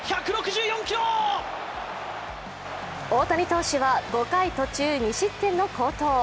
大谷投手は５回途中、２失点の好投。